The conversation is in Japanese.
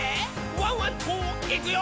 ワンワンといくよ」